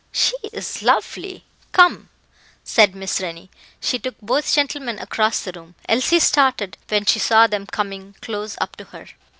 "She is lovely come," said Miss Rennie. She took both gentlemen across the room. Elsie started when she saw them coming close up to her.